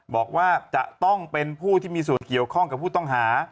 บอกว่าจะต้องเป็นผู้ที่มีส่วนเกี่ยวข้องกับผู้ต้องหา